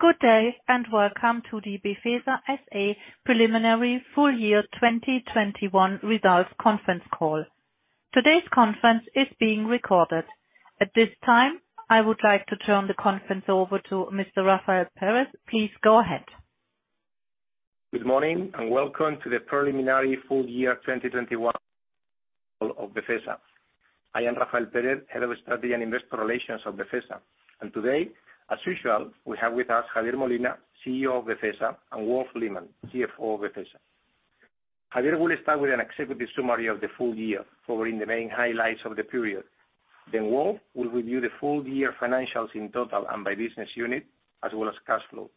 Good day, and welcome to the Befesa S.A. Preliminary Full Year 2021 results conference call. Today's conference is being recorded. At this time, I would like to turn the conference over to Mr. Rafael Pérez. Please go ahead. Good morning, and welcome to the Preliminary Full Year 2021 of Befesa. I am Rafael Pérez, Head of Strategy and Investor Relations of Befesa. Today, as usual, we have with us Javier Molina, CEO of Befesa, and Wolf Lehmann, CFO of Befesa. Javier will start with an executive summary of the full year, covering the main highlights of the period. Then Wolf will review the full year financials in total and by business unit, as well as cash flow.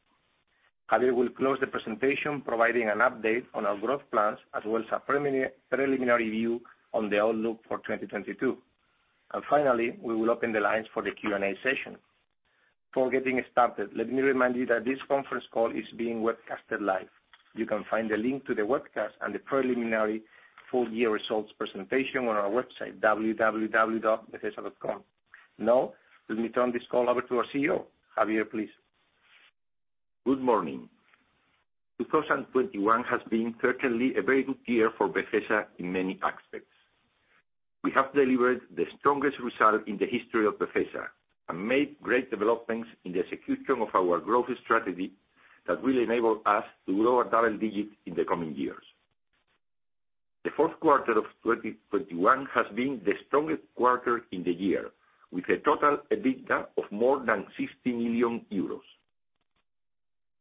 Javier will close the presentation, providing an update on our growth plans, as well as a preliminary view on the outlook for 2022. Finally, we will open the lines for the Q&A session. Before getting started, let me remind you that this conference call is being webcasted live. You can find the link to the webcast and the preliminary full year results presentation on our website, www.befesa.com. Now, let me turn this call over to our CEO. Javier, please. Good morning. 2021 has been certainly a very good year for Befesa in many aspects. We have delivered the strongest result in the history of Befesa and made great developments in the execution of our growth strategy that will enable us to grow a double digit in the coming years. The fourth quarter of 2021 has been the strongest quarter in the year, with a total EBITDA of more than 60 million euros.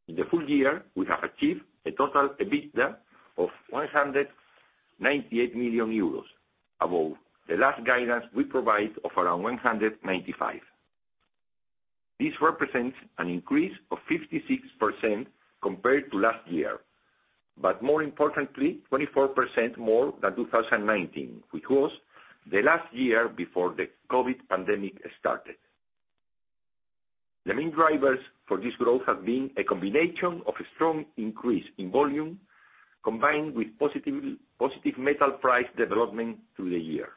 In the full year, we have achieved a total EBITDA of 198 million euros, above the last guidance we provided of around 195 million. This represents an increase of 56% compared to last year. More importantly, 24% more than 2019, which was the last year before the COVID pandemic started. The main drivers for this growth have been a combination of a strong increase in volume, combined with positive metal price development through the year.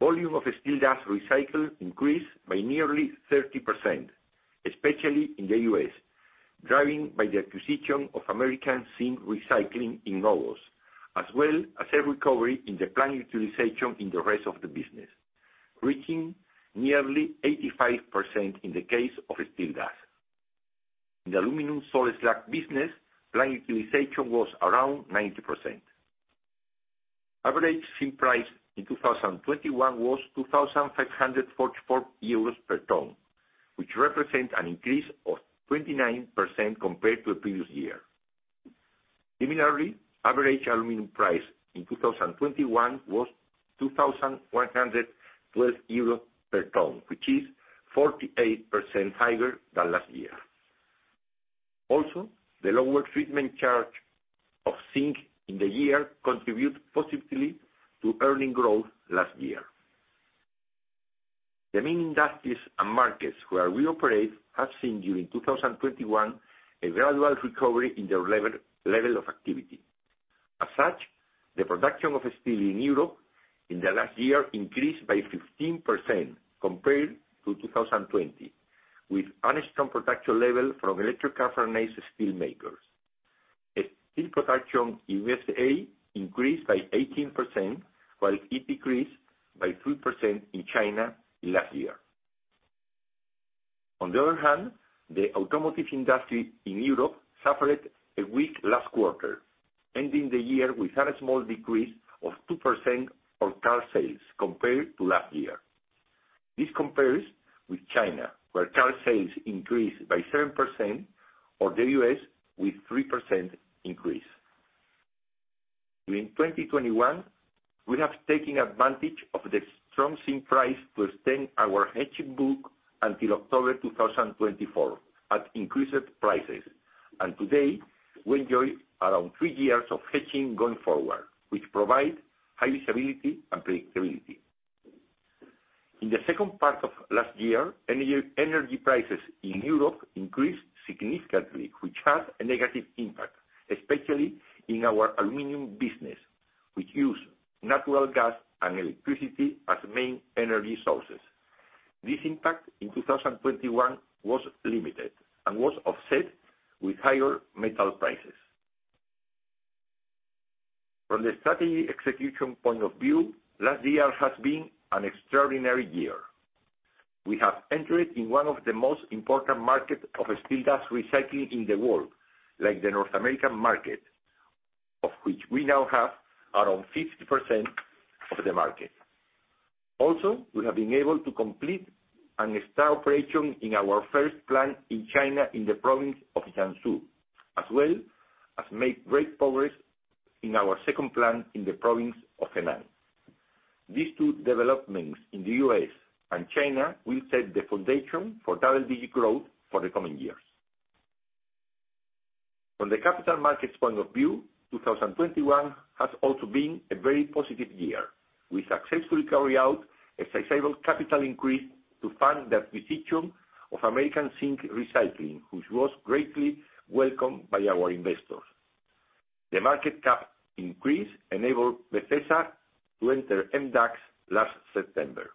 Volume of steel dust recycled increased by nearly 30%, especially in the U.S., driven by the acquisition of American Zinc Recycling in August, as well as a recovery in the plant utilization in the rest of the business, reaching nearly 85% in the case of steel dust. In the aluminum salt slag business, plant utilization was around 90%. Average zinc price in 2021 was 2,544 euros per ton, which represent an increase of 29% compared to the previous year. Similarly, average aluminum price in 2021 was 2,112 euros per ton, which is 48% higher than last year. Also, the lower treatment charge for zinc in the year contributed positively to earnings growth last year. The main industries and markets where we operate have seen during 2021 a gradual recovery in their level of activity. As such, the production of steel in Europe in the last year increased by 15% compared to 2020, with unrestricted production level from electric arc furnace steel makers. Steel production in U.S. increased by 18%, while it decreased by 3% in China last year. On the other hand, the automotive industry in Europe suffered a weak last quarter, ending the year with a small decrease of 2% on car sales compared to last year. This compares with China, where car sales increased by 7%, or the U.S. with 3% increase. During 2021, we have taken advantage of the strong zinc price to extend our hedging book until October 2024 at increased prices. Today, we enjoy around years of hedging going forward, which provide high visibility and predictability. In the second part of last year, energy prices in Europe increased significantly, which had a negative impact, especially in our aluminum business, which use natural gas and electricity as main energy sources. This impact in 2021 was limited and was offset with higher metal prices. From the strategy execution point of view, last year has been an extraordinary year. We have entered in one of the most important market of steel dust recycling in the world, like the North American market, of which we now have around 50% of the market. Also, we have been able to complete and start operation in our first plant in China in the province of Jiangsu, as well as made great progress in our second plant in the province of Henan. These two developments in the U.S. and China will set the foundation for double-digit growth for the coming years. From the capital markets point of view, 2021 has also been a very positive year. We successfully carry out a sizable capital increase to fund the acquisition of American Zinc Recycling, which was greatly welcomed by our investors. The market cap increase enabled Befesa to enter MDAX last September.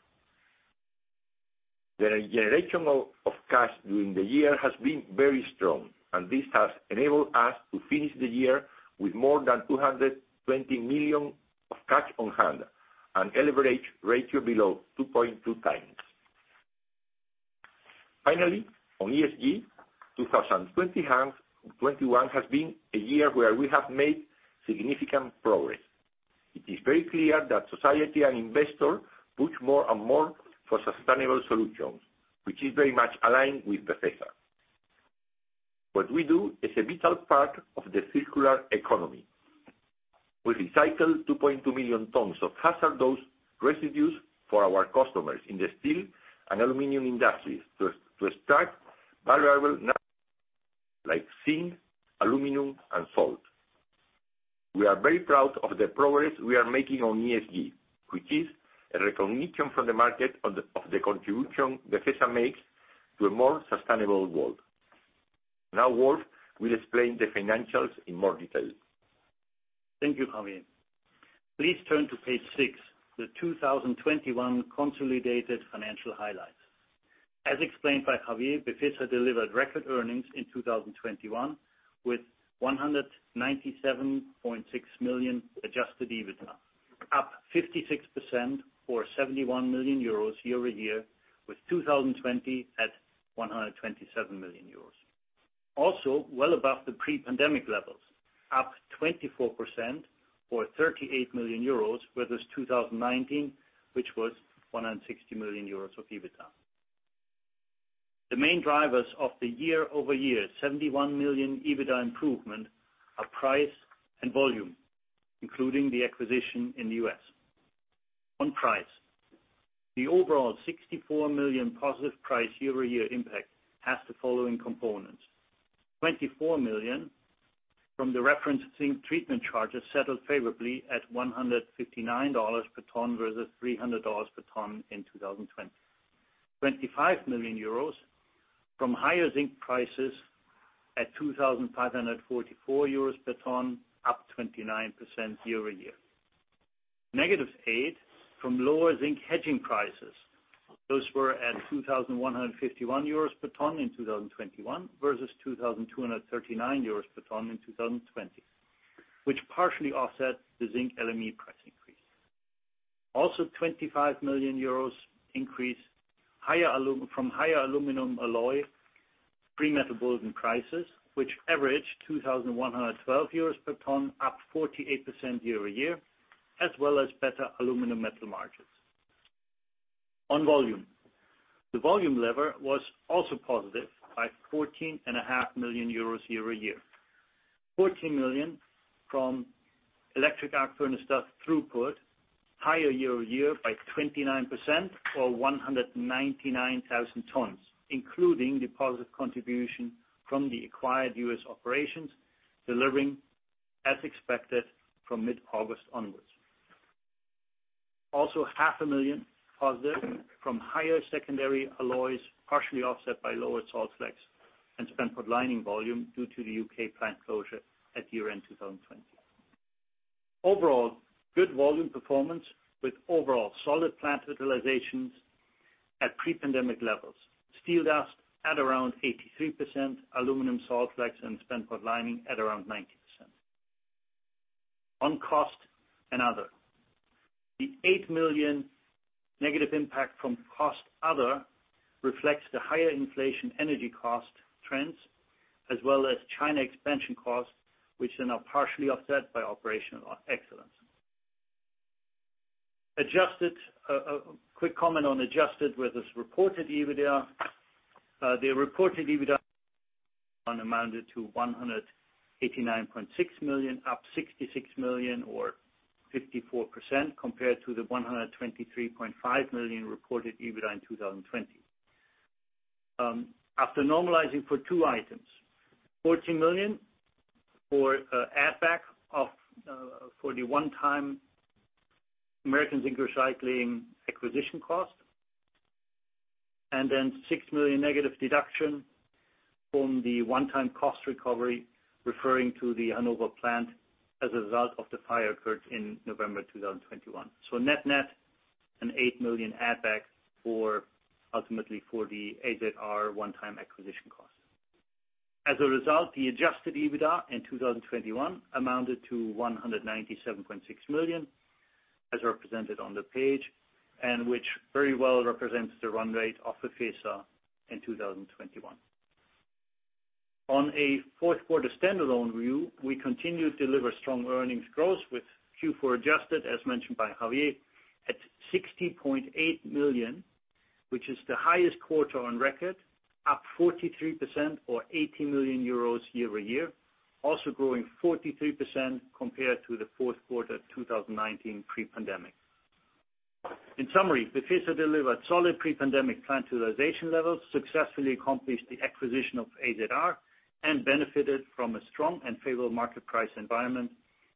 The generation of cash during the year has been very strong, and this has enabled us to finish the year with more than 220 million of cash on hand and leverage ratio below 2.2x. Finally, on ESG, 2021 has been a year where we have made significant progress. It is very clear that society and investors push more and more for sustainable solutions, which is very much aligned with Befesa. What we do is a vital part of the circular economy. We recycle 2.2 million tons of hazardous residues for our customers in the steel and aluminum industries to extract valuable like zinc, aluminum, and salt. We are very proud of the progress we are making on ESG, which is a recognition from the market of the contribution Befesa makes to a more sustainable world. Now, Wolf will explain the financials in more detail. Thank you, Javier. Please turn to page six, the 2021 consolidated financial highlights. As explained by Javier, Befesa delivered record earnings in 2021 with 197.6 million adjusted EBITDA, up 56% or 71 million euros year-over-year, with 2020 at 127 million euros. Also, well above the pre-pandemic levels, up 24% or 38 million euros versus 2019, which was 160 million euros of EBITDA. The main drivers of the year-over-year 71 million EBITDA improvement are price and volume, including the acquisition in the U.S. On price, the overall 64 million positive price year-over-year impact has the following components. 24 million from the reference zinc treatment charges settled favorably at $159 per ton versus $300 per ton in 2020. 25 million euros from higher zinc prices at 2,544 euros per ton, up 29% year-over-year. -8 million from lower zinc hedging prices. Those were at 2,151 euros per ton in 2021 versus 2,239 euros per ton in 2020, which partially offset the zinc LME price increase. Also, 25 million euros increase from higher aluminum alloy pre-Metal Bulletin prices, which averaged 2,112 euros per ton, up 48% year-over-year, as well as better aluminum metal margins. On volume, the volume lever was also positive by 14.5 million euros year-over-year. 14 million from electric arc furnace dust throughput, higher year-over-year by 29% or 199,000 tons, including the positive contribution from the acquired U.S. operations, delivering as expected from mid-August onwards. EUR 500,000+ from higher secondary alloys, partially offset by lower salt slag and spent pot lining volume due to the U.K. plant closure at year-end 2020. Overall, good volume performance with overall solid plant utilizations at pre-pandemic levels. Steel dust at around 83%, aluminum salt slag and spent pot lining at around 90%. On cost and other. The 8 million- impact from cost other reflects the higher inflation energy cost trends, as well as China expansion costs, which are now partially offset by operational excellence. Adjusted, a quick comment on adjusted versus reported EBITDA. The reported EBITDA amounted to 189.6 million, up 66 million or 54% compared to the 123.5 million reported EBITDA in 2020. After normalizing for two items, 14 million for add back for the one-time American Zinc Recycling acquisition cost, and then 6 million negative deduction from the one-time cost recovery, referring to the Hannover plant as a result of the fire occurred in November 2021. Net-net, an 8 million add back for ultimately the AZR one-time acquisition cost. As a result, the adjusted EBITDA in 2021 amounted to 197.6 million, as represented on the page, and which very well represents the run rate of Befesa in 2021. On a fourth quarter standalone view, we continue to deliver strong earnings growth with Q4 adjusted, as mentioned by Javier, at 60.8 million, which is the highest quarter on record, up 43% or 80 million euros year-over-year, also growing 43% compared to the fourth quarter 2019 pre-pandemic. In summary, Befesa delivered solid pre-pandemic plant utilization levels, successfully accomplished the acquisition of AZR, and benefited from a strong and favorable market price environment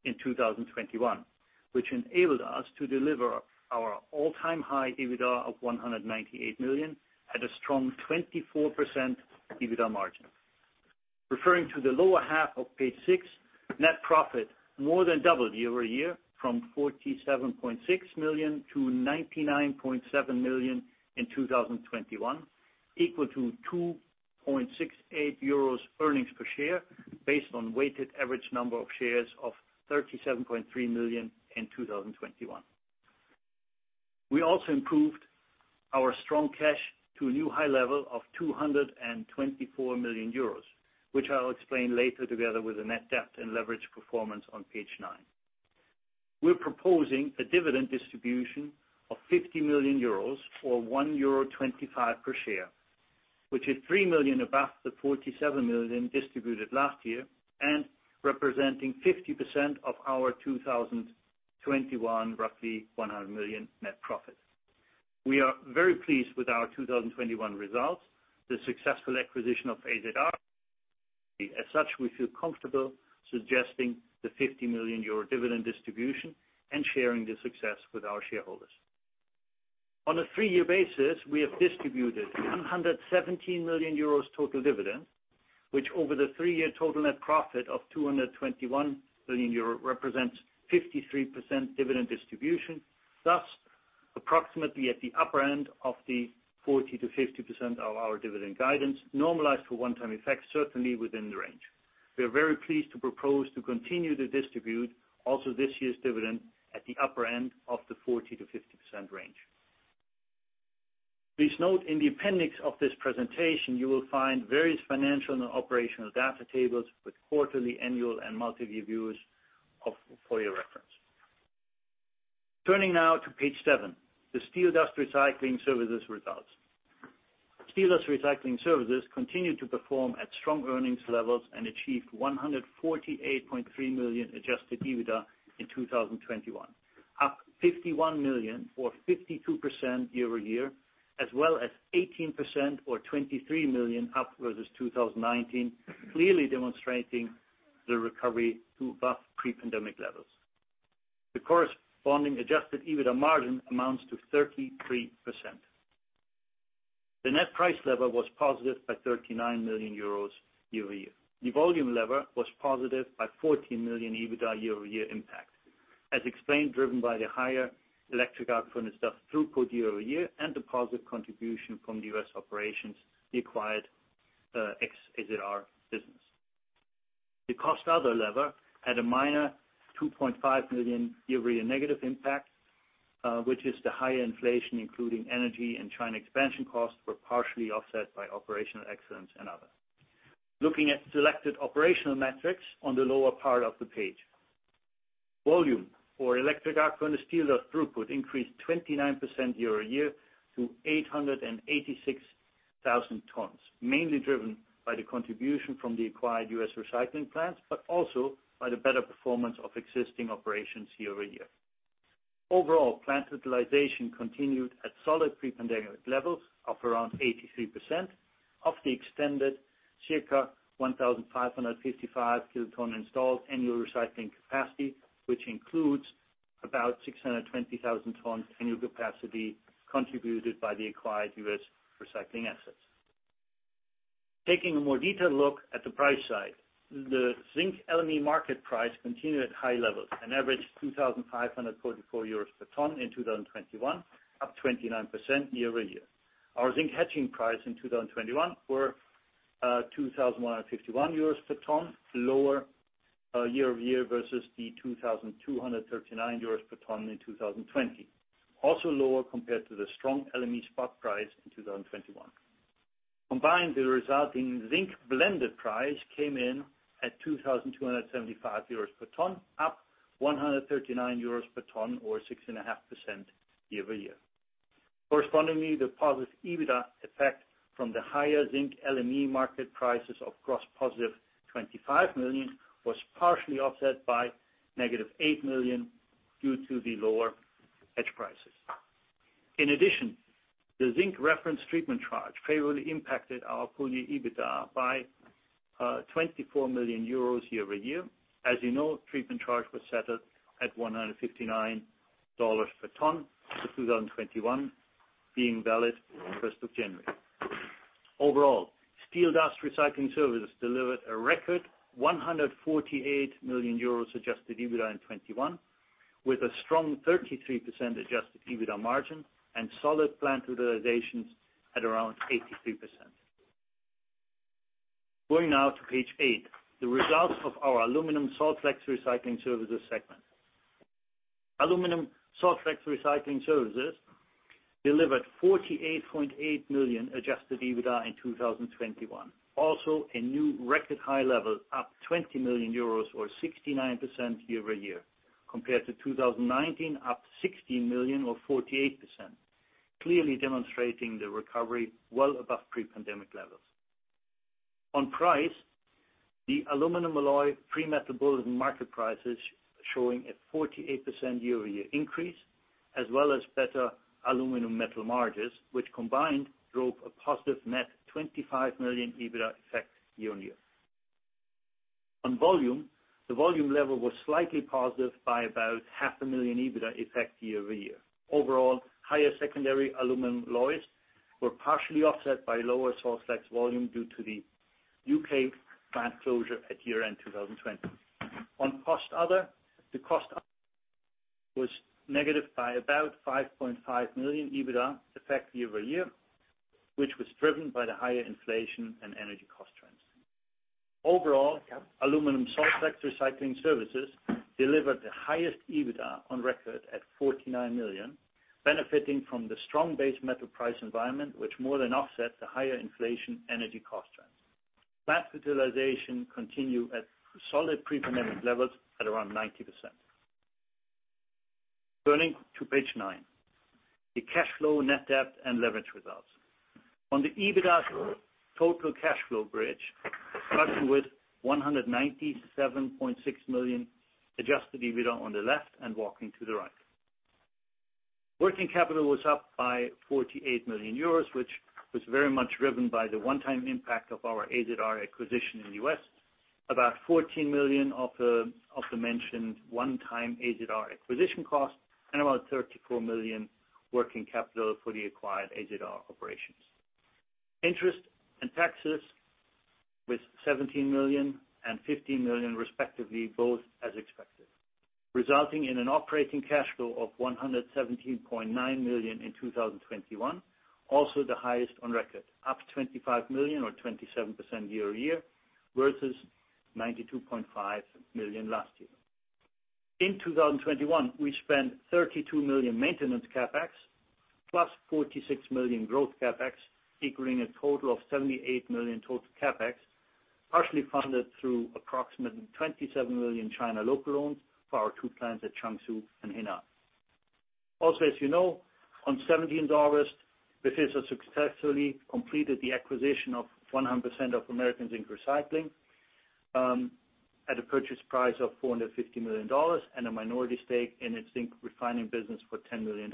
in 2021, which enabled us to deliver our all-time high EBITDA of 198 million at a strong 24% EBITDA margin. Referring to the lower half of page six, net profit more than doubled year-over-year from 47.6 million to 99.7 million in 2021, equal to 2.68 euros earnings per share based on weighted average number of shares of 37.3 million in 2021. We also improved our strong cash to a new high level of 224 million euros, which I'll explain later together with the net debt and leverage performance on page nine. We're proposing a dividend distribution of 50 million euros or 1.25 euro per share, which is 3 million above the 47 million distributed last year, and representing 50% of our 2021 roughly 100 million net profit. We are very pleased with our 2021 results, the successful acquisition of AZR. As such, we feel comfortable suggesting the 50 million euro dividend distribution and sharing the success with our shareholders. On a three-year basis, we have distributed 117 million euros total dividend, which over the three-year total net profit of 221 million euros, represents 53% dividend distribution. Thus, approximately at the upper end of the 40%-50% of our dividend guidance normalized for one-time effects, certainly within the range. We are very pleased to propose to continue to distribute also this year's dividend at the upper end of the 40%-50% range. Please note in the appendix of this presentation, you will find various financial and operational data tables with quarterly, annual, and multi-year views for your reference. Turning now to page seven, the steel dust recycling services results. Steel dust recycling services continued to perform at strong earnings levels and achieved 148.3 million adjusted EBITDA in 2021, up 51 million or 52% year-over-year, as well as 18% or 23 million up versus 2019, clearly demonstrating the recovery to above pre-pandemic levels. The corresponding adjusted EBITDA margin amounts to 33%. The net price lever was positive by 39 million euros year-over-year. The volume lever was positive by 14 million EBITDA year-over-year impact. As explained, driven by the higher electric arc furnace dust throughput year-over-year and the positive contribution from the U.S. operations, the acquired ex-AZR business. The cost other lever had a minor 2.5 million year-over-year negative impact, which is the higher inflation, including energy and China expansion costs were partially offset by operational excellence and other. Looking at selected operational metrics on the lower part of the page. Volume of electric arc furnace steel dust throughput increased 29% year-over-year to 886,000 tons, mainly driven by the contribution from the acquired US recycling plants, but also by the better performance of existing operations year-over-year. Overall, plant utilization continued at solid pre-pandemic levels of around 83% of the extended circa 1,555 kt installed annual recycling capacity, which includes about 620,000 tons annual capacity contributed by the acquired US recycling assets. Taking a more detailed look at the price side, the zinc LME market price continued at high levels, an average 2,544 euros per ton in 2021, up 29% year-over-year. Our zinc hedging price in 2021 were 2,051 euros per ton, lower year-over-year versus the 2,239 euros per ton in 2020. Also lower compared to the strong LME spot price in 2021. Combined, the resulting zinc blended price came in at 2,275 euros per ton, up 139 euros per ton or 6.5% year-over-year. Correspondingly, the positive EBITDA effect from the higher zinc LME market prices of gross +25 million was partially offset by -8 million due to the lower hedge prices. In addition, the zinc reference treatment charge favorably impacted our full EBITDA by 24 million euros year-over-year. As you know, treatment charge was settled at $159 per ton for 2021, being valid first of January. Overall, steel dust recycling services delivered a record 148 million euros adjusted EBITDA in 2021, with a strong 33% adjusted EBITDA margin and solid plant utilizations at around 83%. Going now to page eight, the results of our aluminum salt slag recycling services segment. Aluminum salt slag recycling services delivered 48.8 million adjusted EBITDA in 2021. Also a new record high level, up 20 million euros or 69% year-over-year. Compared to 2019 up 16 million or 48%. Clearly demonstrating the recovery well above pre-pandemic levels. On price, the aluminum alloy pre-Metal Bulletin market prices showing a 48% year-over-year increase. Well as better aluminum metal margins, which combined drove a positive net 25 million EBITDA effect year-over-year. On volume, the volume level was slightly positive by about 500,000 EBITDA effect year-over-year. Overall, higher secondary aluminum alloys were partially offset by lower salt slag volume due to the UK plant closure at year-end 2020. On cost other, the cost was negative by about 5.5 million EBITDA effect year-over-year, which was driven by the higher inflation and energy cost trends. Overall, aluminum salt slag recycling services delivered the highest EBITDA on record at 49 million, benefiting from the strong base metal price environment, which more than offset the higher inflation energy cost trends. Plant utilization continue at solid pre-pandemic levels at around 90%. Turning to page nine, the cash flow net debt and leverage results. On the EBITDA total cash flow bridge, starting with 197.6 million adjusted EBITDA on the left and walking to the right. Working capital was up by 48 million euros, which was very much driven by the one-time impact of our AZR acquisition in the U.S. About 14 million of the mentioned one-time AZR acquisition cost, and about 34 million working capital for the acquired AZR operations. Interest and taxes with 17 million and 15 million respectively, both as expected, resulting in an operating cash flow of 117.9 million in 2021, also the highest on record, up 25 million or 27% year-over-year, versus 92.5 million last year. In 2021, we spent 32 million maintenance CapEx plus 46 million growth CapEx, equaling a total of 78 million total CapEx, partially funded through approximately 27 million China local loans for our two plants at Jiangsu and Henan. As you know, on 17th August, Befesa successfully completed the acquisition of 100% of American Zinc Recycling at a purchase price of $450 million and a minority stake in its zinc refining business for $10 million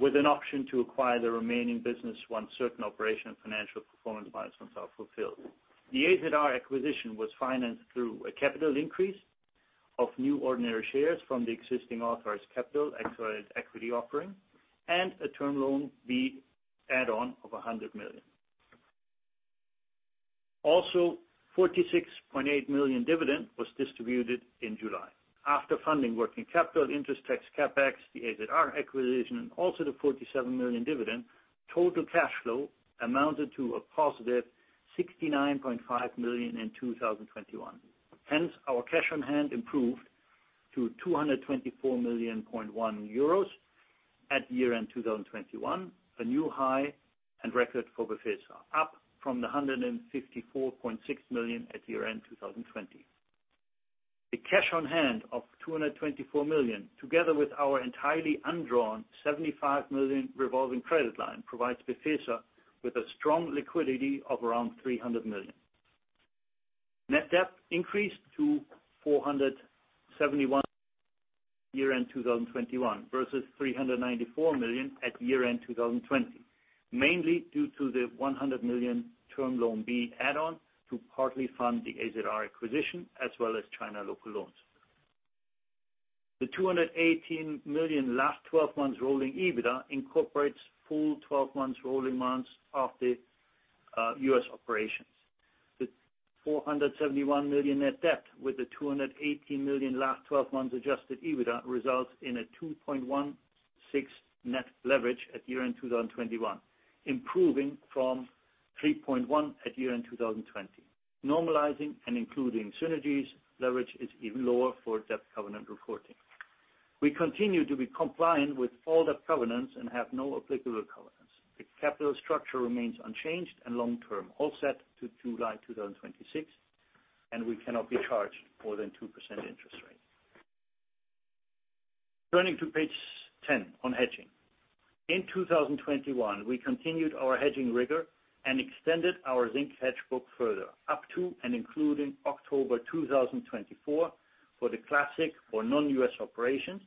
with an option to acquire the remaining business once certain operational financial performance milestones are fulfilled. The AZR acquisition was financed through a capital increase of new ordinary shares from the existing authorized capital, authorized equity offering and a Term Loan B add on of $100 million. Also, a 46.8 million dividend was distributed in July after funding working capital, interest, tax, CapEx, the AZR acquisition, and also the 47 million dividend. Total cash flow amounted to a positive 69.5 million in 2021. Hence, our cash on hand improved to 224.1 million euros at year-end 2021, a new high and record for Befesa, up from the 154.6 million at year-end 2020. The cash on hand of 224 million, together with our entirely undrawn 75 million revolving credit line, provides Befesa with a strong liquidity of around 300 million. Net debt increased to 471 million at year-end 2021 versus 394 million at year-end 2020, mainly due to the 100 million Term Loan B add-on to partly fund the AZR acquisition as well as China local loans. The 218 million last 12 months rolling EBITDA incorporates full 12 months rolling months of the U.S. operations. The 471 million net debt with the 218 million last 12 months adjusted EBITDA results in a 2.16 net leverage at year-end 2021, improving from 3.1 at year-end 2020. Normalizing and including synergies, leverage is even lower for debt covenant reporting. We continue to be compliant with all debt covenants and have no applicable recourse. The capital structure remains unchanged and long-term all set to July 2026, and we cannot be charged more than 2% interest rate. Turning to page 10 on hedging. In 2021, we continued our hedging rigor and extended our zinc hedge book further up to and including October 2024 for the classic or non-U.S. operations,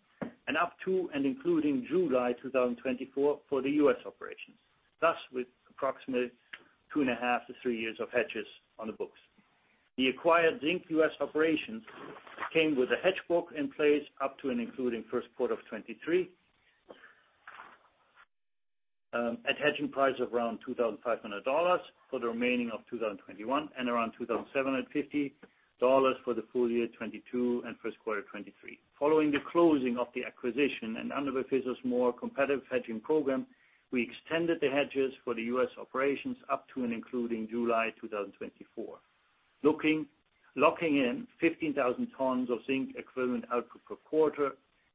and up to and including July 2024 for the U.S. operations. Thus with approximately 2.5-3 years of hedges on the books. The acquired Zinc U.S. operations came with a hedge book in place up to and including first quarter of 2023 at hedging price of around $2,500 for the remaining of 2021 and around $2,750 for the full year 2022 and first quarter 2023. Following the closing of the acquisition and under Befesa's more competitive hedging program, we extended the hedges for the U.S. operations up to and including July 2024. Locking in 15,000 tons of zinc equivalent output per quarter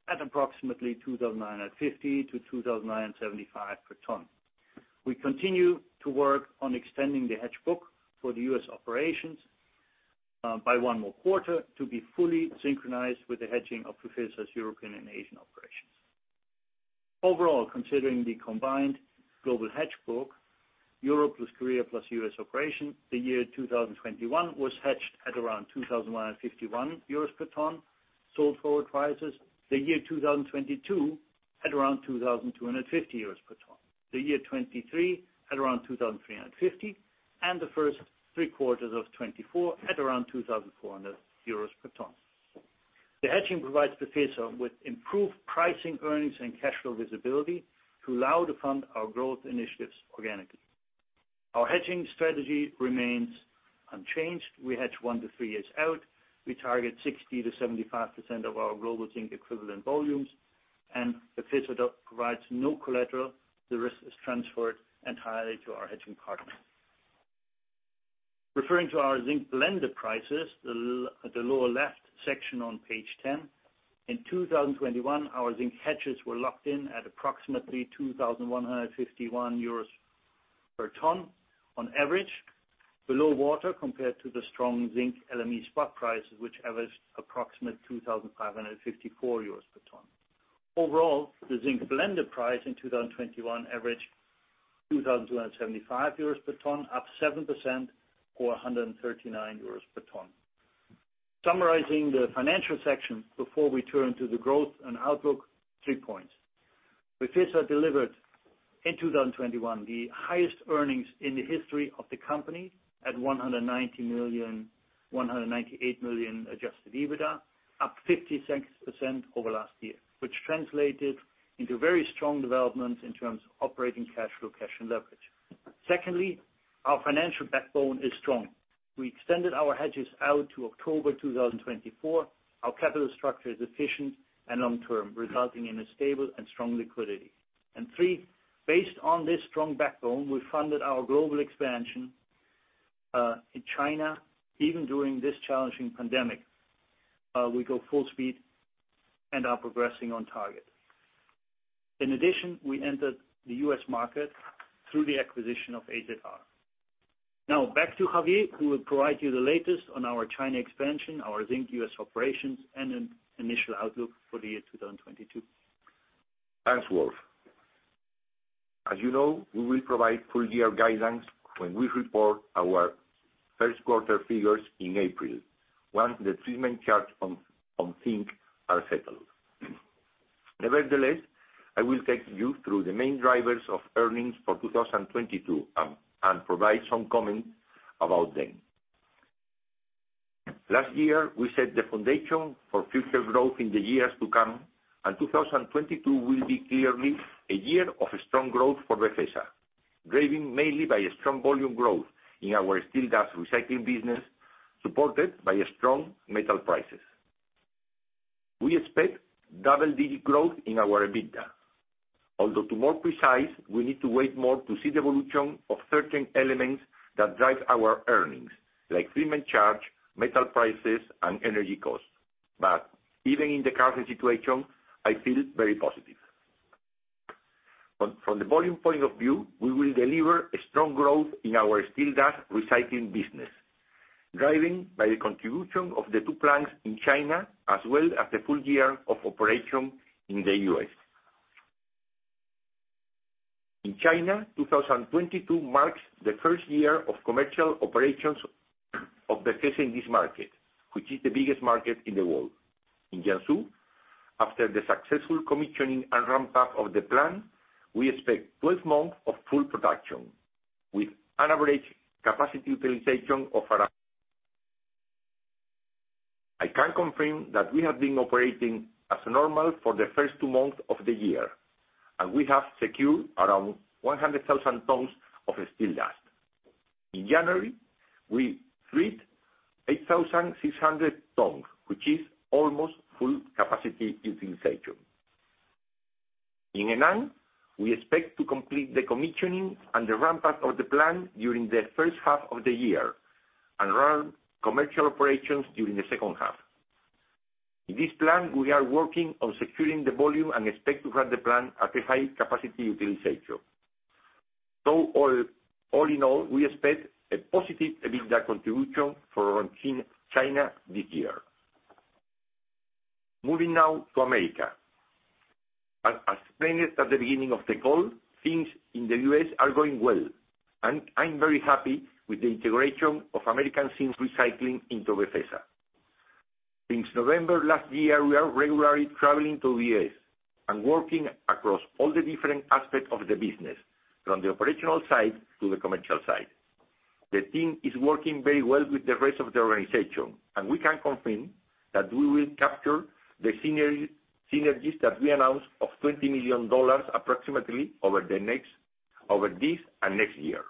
at approximately 2,050- 2,075 per ton. We continue to work on extending the hedge book for the U.S. operations by one more quarter to be fully synchronized with the hedging of Befesa's European and Asian operations. Overall, considering the combined global hedge book, Europe plus Korea plus U.S. operation, the year 2021 was hedged at around 2,151 euros per ton, sold forward prices. The year 2022 at around 2,250 euros per ton. The year 2023 at around 2,350, and the first three quarters of 2024 at around 2,400 euros per ton. The hedging provides Befesa with improved pricing, earnings, and cash flow visibility to allow us to fund our growth initiatives organically. Our hedging strategy remains unchanged. We hedge 1-3 years out. We target 60%-75% of our global zinc equivalent volumes, and Befesa provides no collateral. The risk is transferred entirely to our hedging partner. Referring to our zinc blended prices, look at the lower left section on page 10. In 2021, our zinc hedges were locked in at approximately 2,151 euros per ton on average, underwater compared to the strong zinc LME spot prices, which averaged approximately 2,554 euros per ton. Overall, the zinc blended price in 2021 averaged 2,275 euros per ton, up 7% or 139 euros per ton. Summarizing the financial section before we turn to the growth and outlook, three points. Befesa delivered in 2021 the highest earnings in the history of the company at 190 million, 198 million adjusted EBITDA, up 56% over last year, which translated into very strong developments in terms of operating cash flow, cash, and leverage. Secondly, our financial backbone is strong. We extended our hedges out to October 2024. Our capital structure is efficient and long-term, resulting in a stable and strong liquidity. Three, based on this strong backbone, we funded our global expansion in China, even during this challenging pandemic. We go full speed and are progressing on target. In addition, we entered the U.S. market through the acquisition of AZR. Now back to Javier, who will provide you the latest on our China expansion, our zinc U.S. operations, and an initial outlook for the year 2022. Thanks, Wolf. As you know, we will provide full year guidance when we report our first quarter figures in April, once the treatment charge on zinc are settled. Nevertheless, I will take you through the main drivers of earnings for 2022 and provide some comments about them. Last year, we set the foundation for future growth in the years to come, and 2022 will be clearly a year of strong growth for Befesa, driven mainly by a strong volume growth in our steel dust recycling business, supported by strong metal prices. We expect double-digit growth in our EBITDA. Although, to be more precise, we need to wait more to see the evolution of certain elements that drive our earnings, like treatment charge, metal prices, and energy costs. Even in the current situation, I feel very positive. From the volume point of view, we will deliver a strong growth in our steel dust recycling business, driven by the contribution of the two plants in China, as well as the full year of operation in the U.S. In China, 2022 marks the first year of commercial operations of Befesa in this market, which is the biggest market in the world. In Jiangsu, after the successful commissioning and ramp-up of the plant, we expect 12 months of full production with an average capacity utilization of around. I can confirm that we have been operating as normal for the first two months of the year, and we have secured around 100,000 tons of steel dust. In January, we treat 8,600 tons, which is almost full capacity utilization. In Henan, we expect to complete the commissioning and the ramp-up of the plant during the first half of the year and run commercial operations during the second half. In this plant, we are working on securing the volume and expect to run the plant at a high capacity utilization. All in all, we expect a positive EBITDA contribution for our zinc China this year. Moving now to America. As explained at the beginning of the call, things in the U.S. are going well, and I'm very happy with the integration of American Zinc Recycling into Befesa. Since November last year, we are regularly traveling to the U.S. and working across all the different aspects of the business, from the operational side to the commercial side. The team is working very well with the rest of the organization, and we can confirm that we will capture the synergies that we announced of $20 million approximately over this and next year.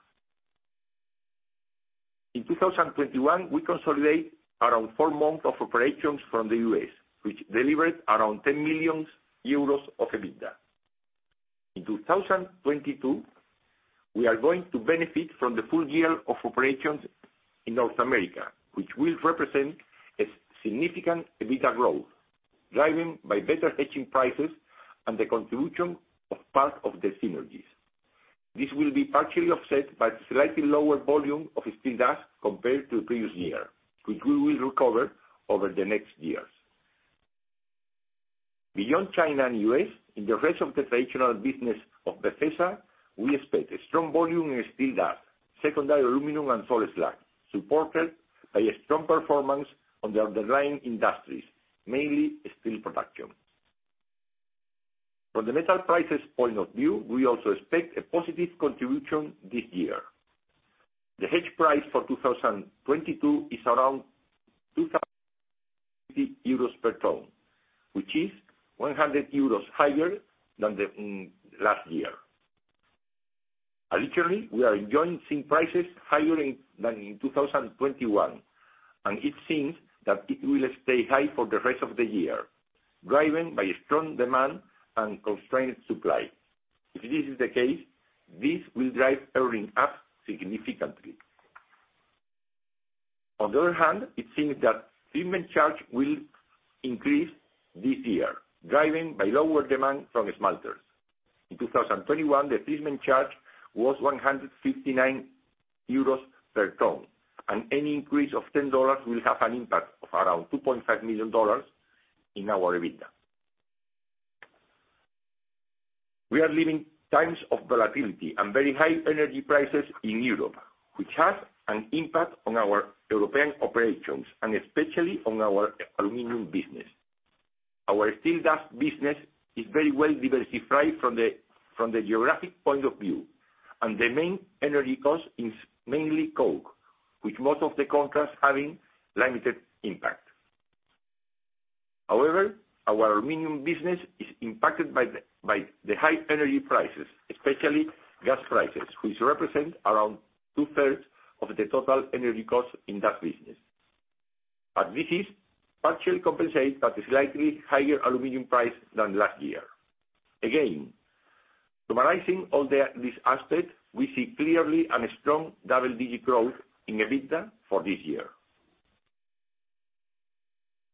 In 2021, we consolidate around four months of operations from the U.S., which delivered around 10 million euros of EBITDA. In 2022, we are going to benefit from the full year of operations in North America, which will represent a significant EBITDA growth, driven by better hedging prices and the contribution of part of the synergies. This will be partially offset by slightly lower volume of steel dust compared to the previous year, which we will recover over the next years. Beyond China and U.S., in the rest of the traditional business of Befesa, we expect a strong volume in steel dust, secondary aluminum and salt slag, supported by a strong performance on the underlying industries, mainly steel production. From the metal prices point of view, we also expect a positive contribution this year. The hedge price for 2022 is around 2,050 euros per ton, which is 100 euros higher than last year. Additionally, we are enjoying zinc prices higher than in 2021, and it seems that it will stay high for the rest of the year, driven by strong demand and constrained supply. If this is the case, this will drive earnings up significantly. On the other hand, it seems that treatment charge will increase this year, driven by lower demand from smelters. In 2021, the treatment charge was 159 euros per ton, and any increase of $10 will have an impact of around $2.5 million in our EBITDA. We are living times of volatility and very high energy prices in Europe, which has an impact on our European operations, and especially on our aluminum business. Our steel dust business is very well diversified from the geographic point of view, and the main energy cost is mainly coke, with most of the contracts having limited impact. However, our aluminum business is impacted by the high energy prices, especially gas prices, which represent around two-thirds of the total energy cost in that business. This is partially compensated by the slightly higher aluminum price than last year. Again, summarizing all these aspects, we see clearly a strong double-digit growth in EBITDA for this year.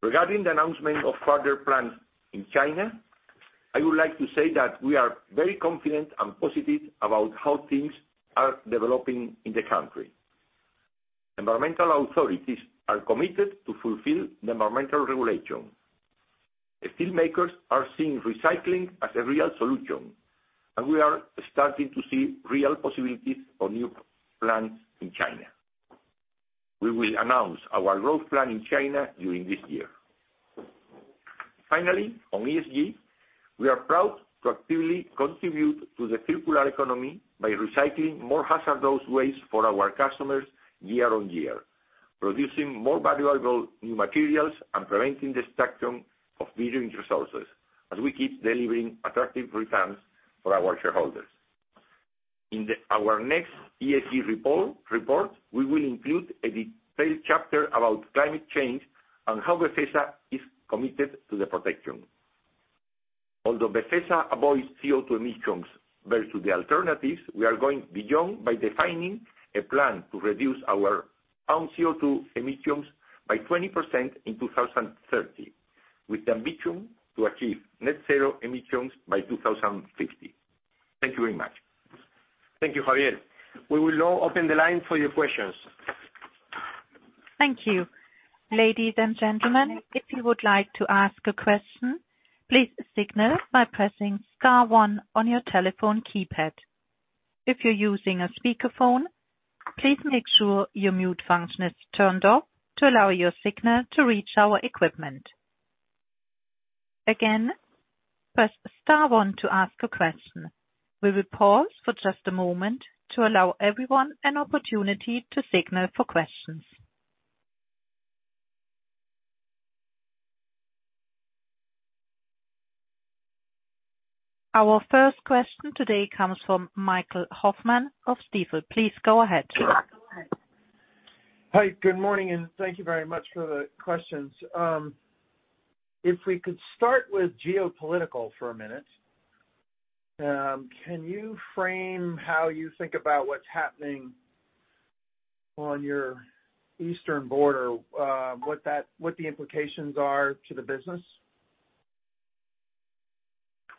Regarding the announcement of further plans in China, I would like to say that we are very confident and positive about how things are developing in the country. Environmental authorities are committed to fulfill the environmental regulation. The steel makers are seeing recycling as a real solution, and we are starting to see real possibilities for new plants in China. We will announce our growth plan in China during this year. Finally, on ESG, we are proud to actively contribute to the circular economy by recycling more hazardous waste for our customers year on year, producing more valuable new materials and preventing the extraction of virgin resources, as we keep delivering attractive returns for our shareholders. In our next ESG report, we will include a detailed chapter about climate change and how Befesa is committed to the protection. Although Befesa avoids CO2 emissions versus the alternatives, we are going beyond by defining a plan to reduce our own CO2 emissions by 20% in 2030, with the ambition to achieve net zero emissions by 2050. Thank you very much. Thank you, Javier. We will now open the line for your questions. Thank you. Ladies and gentlemen, if you would like to ask a question, please signal by pressing star one on your telephone keypad. If you're using a speakerphone, please make sure your mute function is turned off to allow your signal to reach our equipment. Again, press star one to ask a question. We will pause for just a moment to allow everyone an opportunity to signal for questions. Our first question today comes from Michael Hoffman of Stifel. Please go ahead. Hi. Good morning, and thank you very much for the questions. If we could start with geopolitical for a minute, can you frame how you think about what's happening on your eastern border, what the implications are to the business?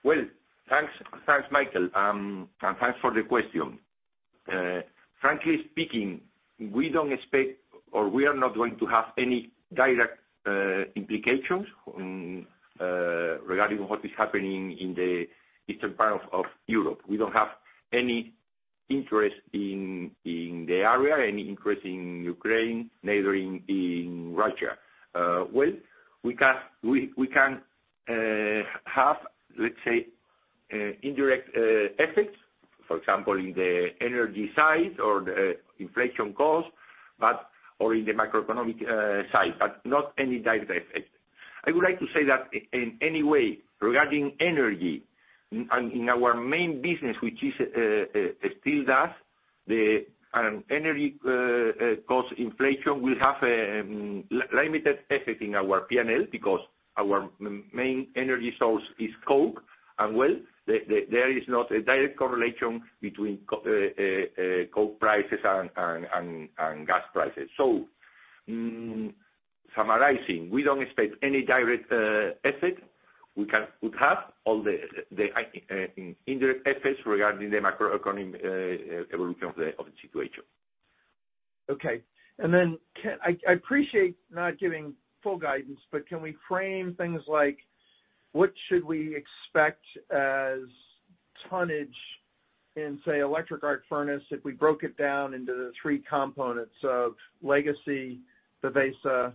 Well, thanks, Michael, and thanks for the question. Frankly speaking, we don't expect or we are not going to have any direct implications regarding what is happening in the eastern part of Europe. We don't have any interest in the area, any interest in Ukraine, neither in Russia. Well, we can have, let's say, indirect effects, for example, in the energy side or the inflation cost, but or in the macroeconomic side, but not any direct effect. I would like to say that in any way, regarding energy and in our main business, which is steel dust, the energy cost inflation will have limited effect in our P&L because our main energy source is coke, and, well, there is not a direct correlation between coke prices and gas prices. So, summarizing, we don't expect any direct effect. We have all the indirect effects regarding the macroeconomic evolution of the situation. Okay. I appreciate not giving full guidance, but can we frame things like what should we expect as tonnage in, say, electric arc furnace if we broke it down into the three components of legacy Befesa,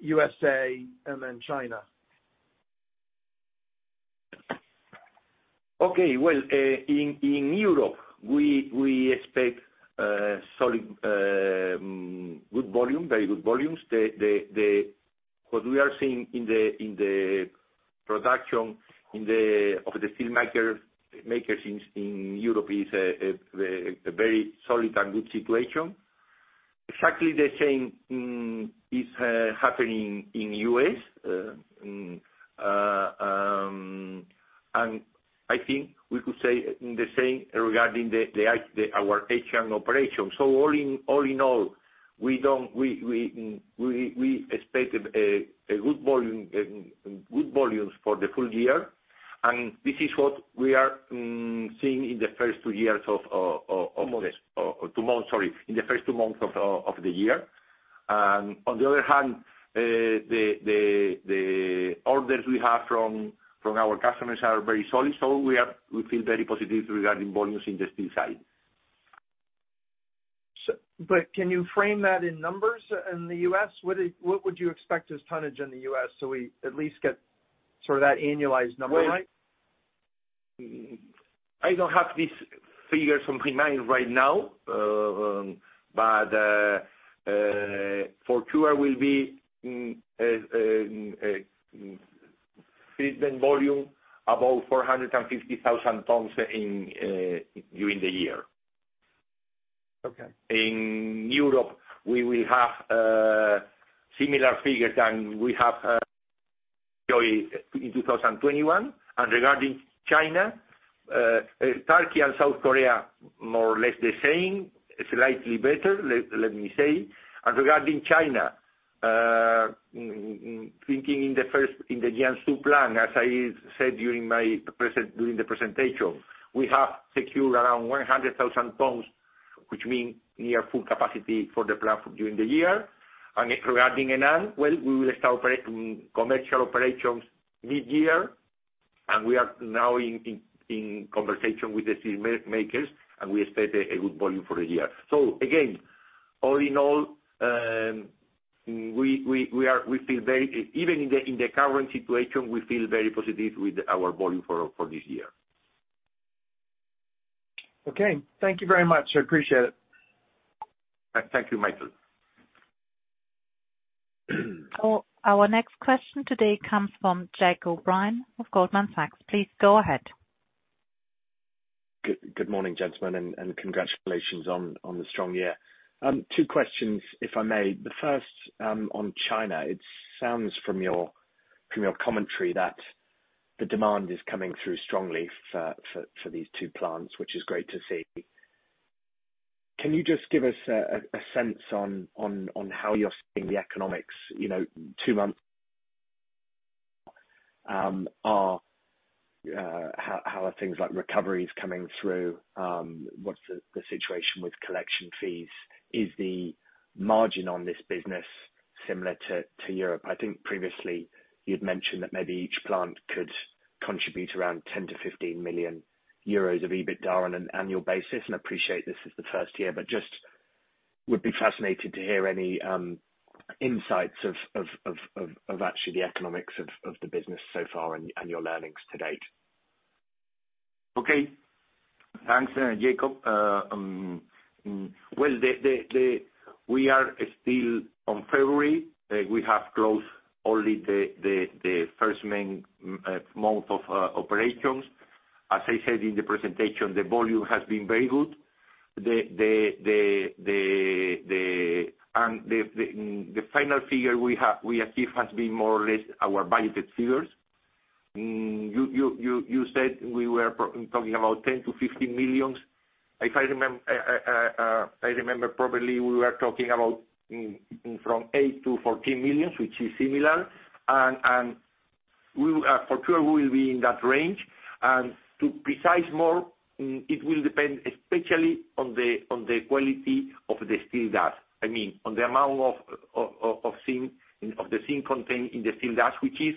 U.S. and then China? Okay. Well, in Europe, we expect solid good volume, very good volumes. What we are seeing in the production of the steelmakers in Europe is a very solid and good situation. Exactly the same is happening in U.S. I think we could say the same regarding our Asian operations. All in all, we expected a good volume, good volumes for the full year, and this is what we are seeing in the first two years of this- Months. Two months, sorry. In the first two months of the year. On the other hand, the orders we have from our customers are very solid. We feel very positive regarding volumes in the steel side. Can you frame that in numbers in the U.S.? What would you expect as tonnage in the U.S. so we at least get sort of that annualized number right? Well, I don't have this figure in mind right now. For sure will be treatment volume above 450,000 tons during the year. Okay. In Europe, we will have similar figures than we have shown in 2021. Regarding China, Turkey, and South Korea, more or less the same, slightly better, let me say. Regarding China, thinking in the first, in the Jiangsu plant, as I said during the presentation, we have secured around 100,000 tons, which mean near full capacity for the plant during the year. Regarding Henan, well, we will start operating commercial operations mid-year, and we are now in conversation with the steel makers, and we expect a good volume for the year. Again, all in all, we are—we feel very, even in the current situation, we feel very positive with our volume for this year. Okay. Thank you very much. I appreciate it. Thank you, Michael. Oh, our next question today comes from Jacob Rein of Goldman Sachs. Please go ahead. Good morning, gentlemen, and congratulations on the strong year. Two questions, if I may. The first, on China. It sounds from your commentary that the demand is coming through strongly for these two plants, which is great to see. Can you just give us a sense on how you're seeing the economics, you know, two months, how are things like recoveries coming through? What's the situation with collection fees? Is the margin on this business similar to Europe? I think previously you'd mentioned that maybe each plant could contribute around 10 million-15 million euros of EBITDA on an annual basis, and I appreciate this is the first year. I would be fascinated to hear any insights of actually the economics of the business so far and your learnings to date. Okay. Thanks, Jacob. Well, we are still on February. We have closed only the first main month of operations. As I said in the presentation, the volume has been very good. The final figure we have achieved has been more or less our budgeted figures. You said we were talking about 10 million-15 million. If I remember properly, we were talking about from 8 million-14 million, which is similar. We will for sure be in that range. To be more precise, it will depend especially on the quality of the steel dust. I mean, on the amount of zinc and of the zinc content in the steel dust, which is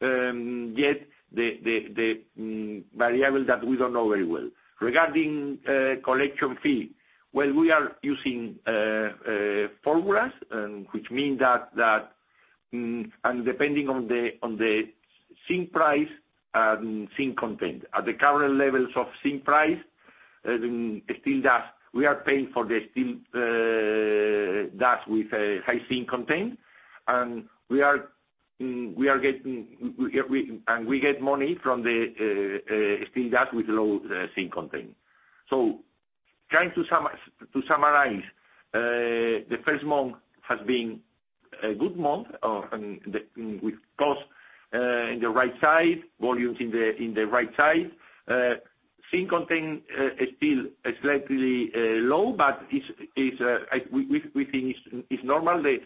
yet the variable that we don't know very well. Regarding collection fee, well, we are using formulas which mean that and depending on the zinc price and zinc content. At the current levels of zinc price, steel dust, we are paying for the steel dust with a high zinc content, and we are getting. We get money from the steel dust with low zinc content. To summarize, the first month has been a good month, and with costs in the right side, volumes in the right side, zinc content is still slightly low, but we think it's normal that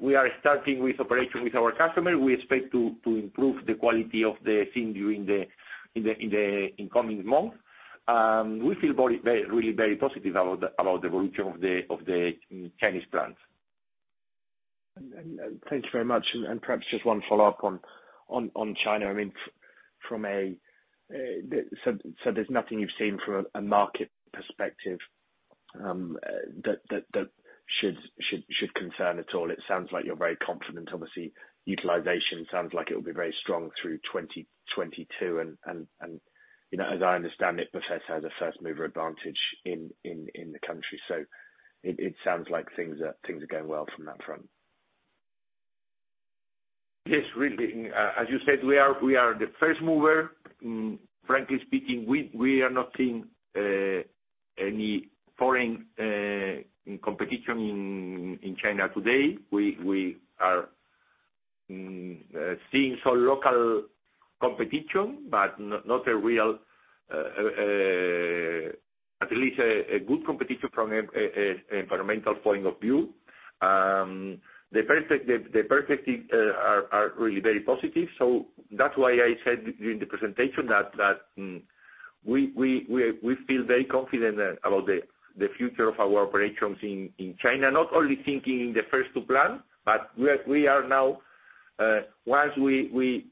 we are starting with operation with our customer. We expect to improve the quality of the thing during the coming months. We feel very positive about the volume of the Chinese plants. Thanks very much. Perhaps just one follow-up on China. There's nothing you've seen from a market perspective that should concern at all? It sounds like you're very confident. Obviously, utilization sounds like it will be very strong through 2022. You know, as I understand it, Befesa has a first-mover advantage in the country. It sounds like things are going well from that front. Yes. Really, as you said, we are the first mover. Frankly speaking, we are not seeing any foreign competition in China today. We are seeing some local competition, but not a real competition, at least from an environmental point of view. The prospects are really very positive. That's why I said during the presentation that we feel very confident about the future of our operations in China, not only thinking in the first two plants, but we are now, once we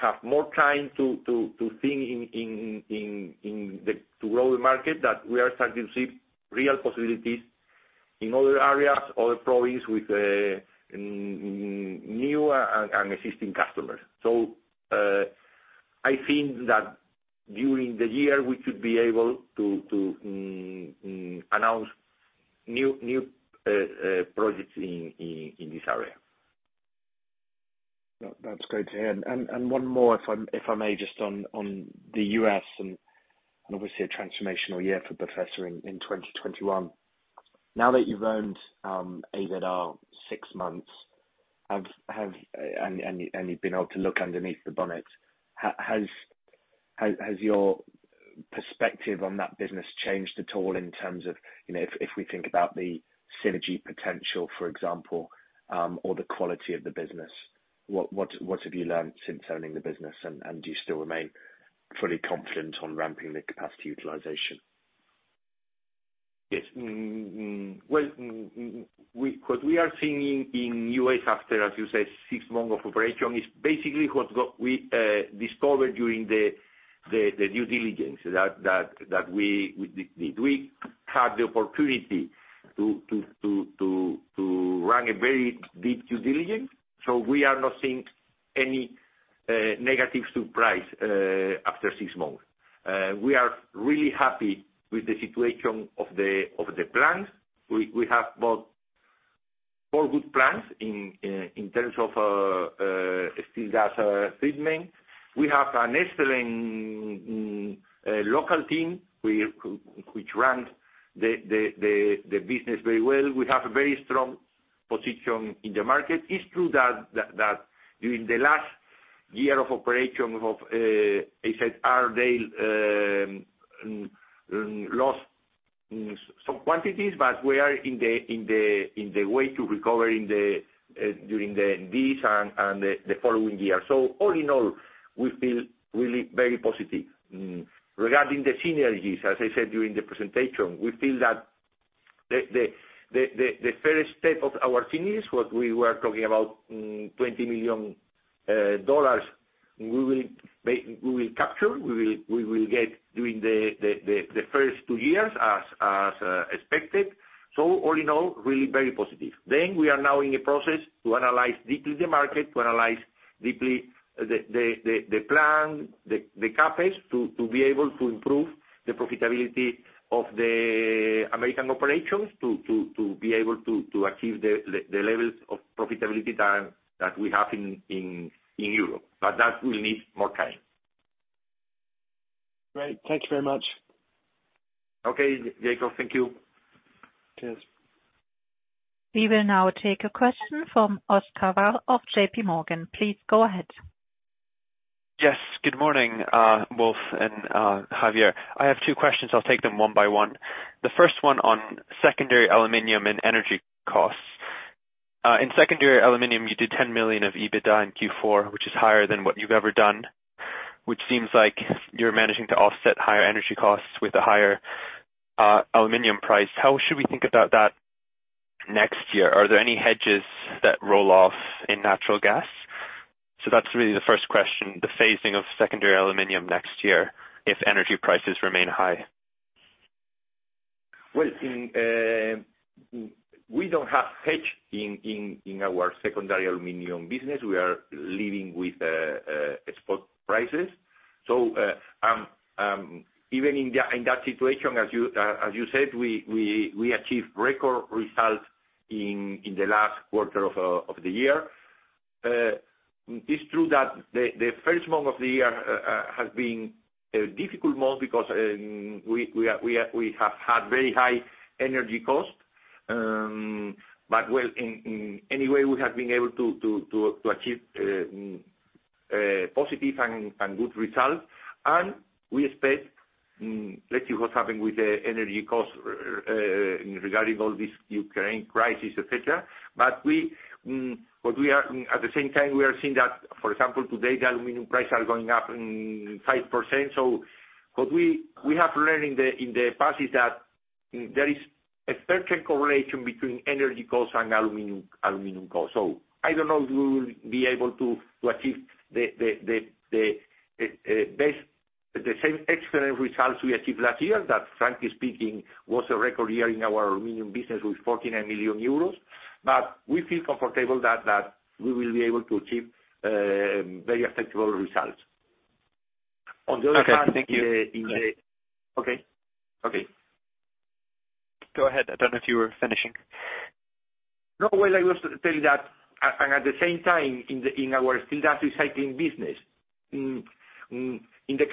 have more time to think in the to grow the market, that we are starting to see real possibilities in other areas or province with new and existing customers. I think that during the year, we should be able to announce new projects in this area. That's great to hear. One more if I may, just on the U.S. and obviously a transformational year for Befesa in 2021. Now that you've owned AZR six months, have you been able to look underneath the bonnet, has your perspective on that business changed at all in terms of, you know, if we think about the synergy potential, for example, or the quality of the business? What have you learned since owning the business? Do you still remain fully confident on ramping the capacity utilization? Yes. Well, what we are seeing in U.S. after, as you said, six months of operation is basically what we discovered during the due diligence that we did. We had the opportunity to run a very deep due diligence. We are not seeing any negative surprise after six months. We are really happy with the situation of the plant. We have four good plants in terms of steel dust treatment. We have an excellent local team which runs the business very well. We have a very strong position in the market. It's true that during the last year of operation of HFR, they lost some quantities, but we are on the way to recover during this and the following year. All in all, we feel really very positive. Regarding the synergies, as I said during the presentation, we feel that the first step of our synergies, what we were talking about, $20 million, we will capture, we will get during the first two years as expected. All in all, really very positive. We are now in a process to analyze deeply the market, to analyze deeply the plan, the CapEx, to be able to improve the profitability of the American operations, to be able to achieve the levels of profitability that we have in Europe. That will need more time. Great. Thank you very much. Okay, Jacob. Thank you. Cheers. We will now take a question from Oscar Val of JPMorgan. Please go ahead. Yes. Good morning, Wolf and Javier. I have two questions. I'll take them one by one. The first one on secondary aluminum and energy costs. In secondary aluminum, you did 10 million of EBITDA in Q4, which is higher than what you've ever done, which seems like you're managing to offset higher energy costs with a higher aluminum price. How should we think about that next year? Are there any hedges that roll off in natural gas? That's really the first question, the phasing of secondary aluminum next year if energy prices remain high. Well, in we don't have hedge in our secondary aluminum business. We are living with spot prices. Even in that situation, as you said, we achieved record results in the last quarter of the year. It's true that the first month of the year has been a difficult month because we have had very high energy costs. Well, anyway, we have been able to achieve positive and good results. We expect, let's see what's happening with the energy costs regarding all this Ukraine crisis, et cetera. At the same time, we are seeing that, for example, today, the aluminum prices are going up 5%. What we have learned in the past is that there is a perfect correlation between energy costs and aluminum costs. I don't know if we will be able to achieve the same excellent results we achieved last year. That, frankly speaking, was a record year in our aluminum business with 49 million euros. We feel comfortable that we will be able to achieve very acceptable results. On the other hand, in the- Okay, thank you. Okay. Okay. Go ahead. I don't know if you were finishing. No. Well, I want to tell you that at the same time, in our steel dust recycling business, even in the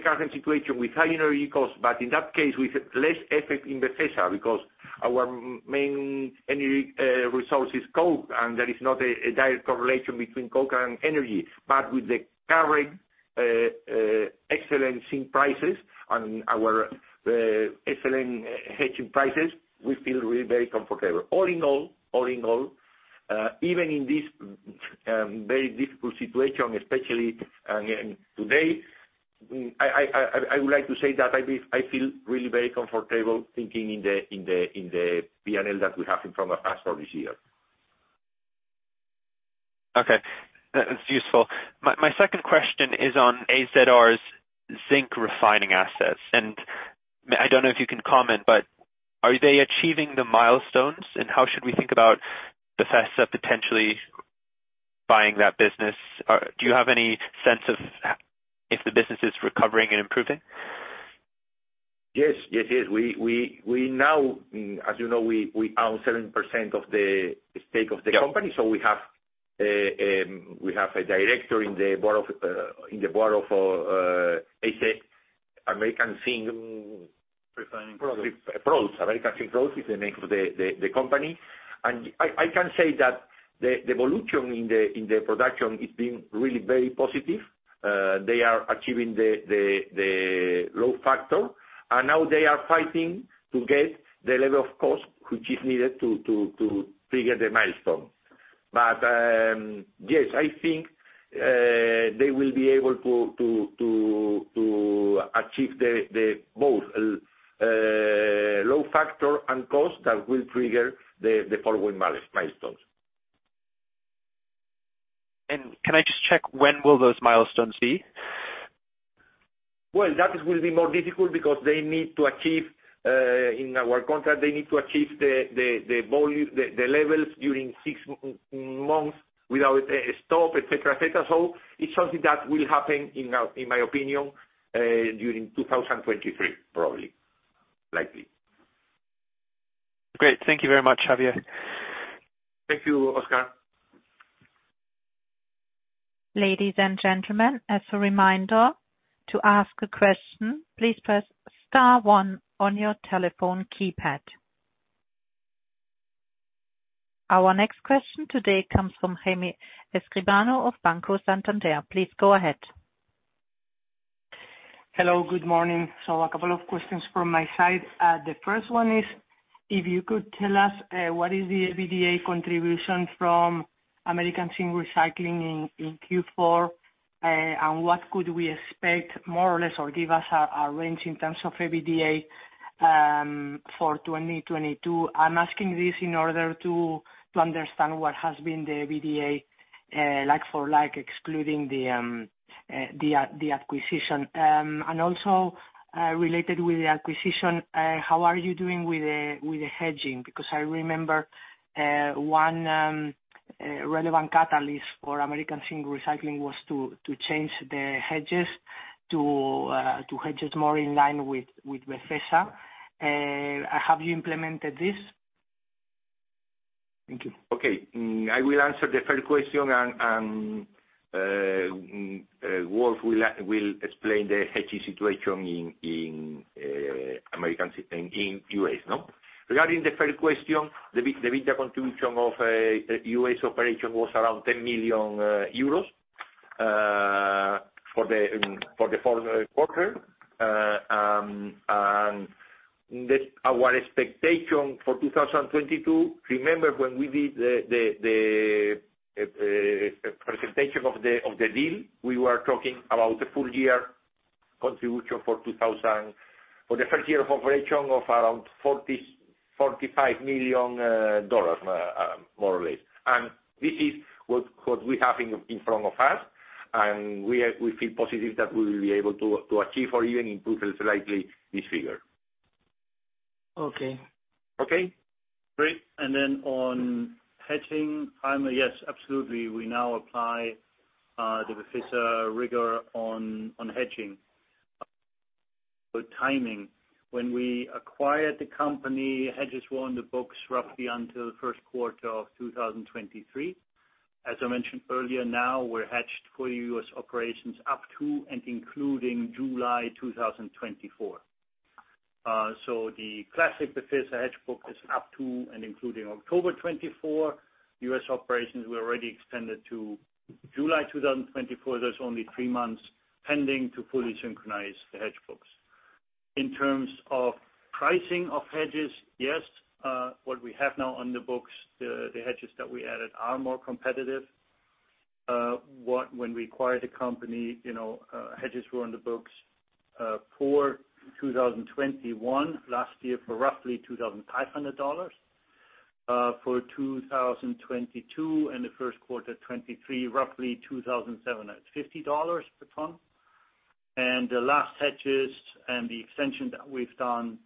current situation with higher energy costs, but in that case with less effect in Befesa because our main energy resource is coke, and there is not a direct correlation between coke and energy. But with the current decline in prices and our excellent hedging prices, we feel really very comfortable. All in all, even in this very difficult situation, especially today, I would like to say that I feel really very comfortable thinking in the P&L that we have in front of us for this year. Okay. That is useful. My second question is on AZR's zinc refining assets. I don't know if you can comment, but are they achieving the milestones? How should we think about Befesa potentially buying that business? Do you have any sense of if the business is recovering and improving? Yes. We now, as you know, we own 7% of the stake of the company. Yeah. We have a director in the board of AZR, American Zinc- Refining Products. Products. American Zinc Products is the name of the company. I can say that the volume in the production is being really very positive. They are achieving the load factor, and now they are fighting to get the level of cost which is needed to trigger the milestone. Yes, I think they will be able to achieve the both load factor and cost that will trigger the following milestones. Can I just check when will those milestones be? Well, that will be more difficult because they need to achieve in our contract the volume levels during six months without a stop, et cetera. It's something that will happen, in my opinion, during 2023, probably. Likely. Great. Thank you very much, Javier. Thank you, Oscar. Ladies and gentlemen, as a reminder, to ask a question, please press star one on your telephone keypad. Our next question today comes from Jaime Escribano of Banco Santander. Please go ahead. Hello, good morning. A couple of questions from my side. The first one is if you could tell us what is the EBITDA contribution from American Zinc Recycling in Q4, and what could we expect more or less, or give us a range in terms of EBITDA for 2022? I'm asking this in order to understand what has been the EBITDA like for like, excluding the acquisition? Related with the acquisition, how are you doing with the hedging? Because I remember one relevant catalyst for American Zinc Recycling was to change the hedges to hedges more in line with Befesa. Have you implemented this? Thank you. Okay. I will answer the first question and Wolf will explain the hedging situation in American Zinc in the U.S., no? Regarding the first question, the EBITDA contribution of U.S. operation was around EUR 10 million for the fourth quarter. This, our expectation for 2022, remember when we did the presentation of the deal, we were talking about the full year contribution for the first year of operation of around $40 million-$45 million, more or less. This is what we have in front of us, and we feel positive that we will be able to achieve or even improve slightly this figure. Okay. Okay. Great. On hedging time, yes, absolutely. We now apply the Befesa rigor on hedging. Timing, when we acquired the company, hedges were on the books roughly until the first quarter of 2023. As I mentioned earlier, now we're hedged for US operations up to and including July 2024. The classic Befesa hedge book is up to and including October 2024. US operations were already extended to July 2024. There's only three months pending to fully synchronize the hedge books. In terms of pricing of hedges, yes, what we have now on the books, the hedges that we added are more competitive. When we acquired the company, you know, hedges were on the books for 2021, last year, for roughly $2,500. For 2022 and the first quarter 2023, roughly $2,750 per ton. The last hedges and the extension that we've done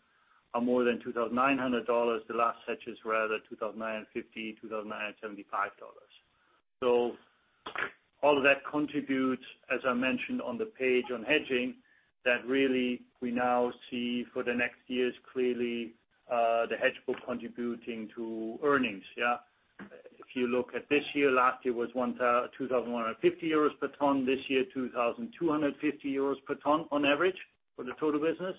are more than $2,900. The last hedges were at $2,950, $2,975. All of that contributes, as I mentioned on the page on hedging, that really we now see for the next years clearly the hedge book contributing to earnings, yeah. If you look at this year, last year was 2,150 euros per ton. This year, 2,250 euros per ton on average for the total business.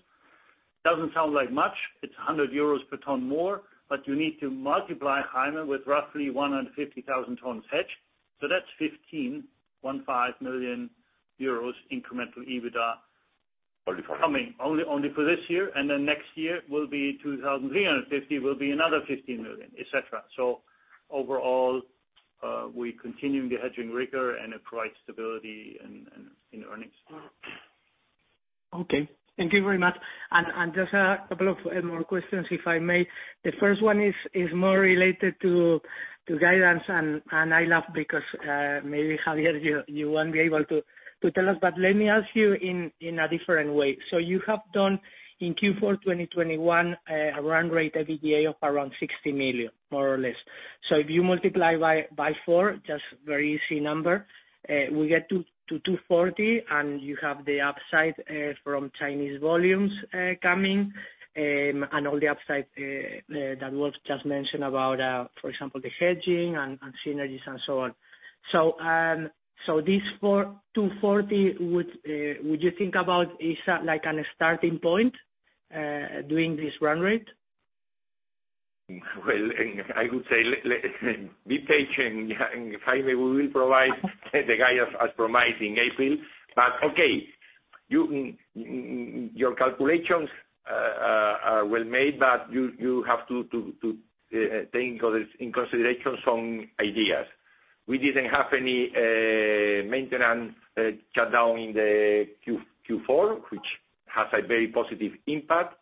Doesn't sound like much. It's 100 euros per ton more, but you need to multiply, Jaime, with roughly 150,000 tons hedged. That's EUR 15 million incremental EBITDA. Only for this year. Coming only for this year. Next year will be 2,350, will be another 15 million, et cetera. Overall, we're continuing the hedging rigor, and it provides stability in earnings. Okay. Thank you very much. Just a couple of more questions, if I may. The first one is more related to guidance. I laugh because maybe, Javier, you won't be able to tell us, but let me ask you in a different way. You have done in Q4 2021 a run rate EBITDA of around 60 million, more or less. If you multiply by four, just very easy number, we get 240, and you have the upside from Chinese volumes coming and all the upside that Wolf just mentioned about, for example, the hedging and synergies and so on. This 240, would you think of it as like a starting point doing this run rate? Well, I would say, be patient, Jaime, we will provide the guidance as promised in April. Okay, your calculations are well made, but you have to take others in consideration some ideas. We didn't have any maintenance shut down in the Q4, which has a very positive impact.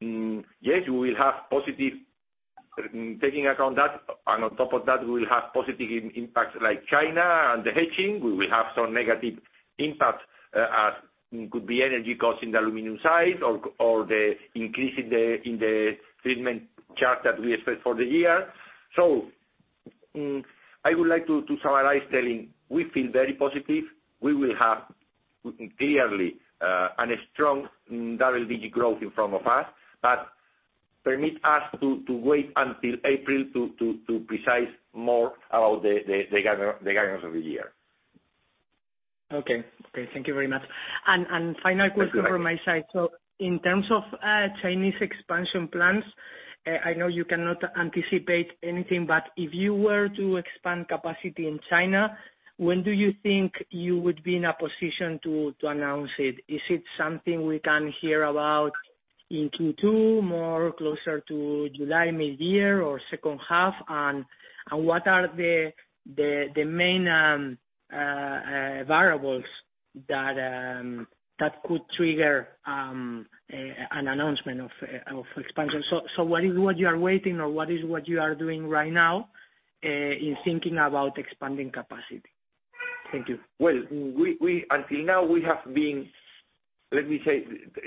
Yes, we will have positive taking account that, and on top of that, we will have positive impact like China and the hedging. We will have some negative impact as could be energy costs in the aluminum side or the increase in the treatment charge that we expect for the year. I would like to summarize telling we feel very positive. We will have clearly a strong double-digit growth in front of us. Permit us to wait until April to be more precise about the guidance of the year. Okay, thank you very much. Final question from my side. Thank you, Jaime. In terms of Chinese expansion plans, I know you cannot anticipate anything, but if you were to expand capacity in China, when do you think you would be in a position to announce it? Is it something we can hear about in Q2, more closer to July, mid-year, or second half? What are the main variables that could trigger an announcement of expansion? What is what you are waiting or what is what you are doing right now in thinking about expanding capacity? Thank you. Well, we until now, we have been, let me say,